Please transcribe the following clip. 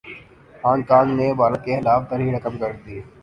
Hong Kong نے بھارت کے خلاف تاریخ رقم کردی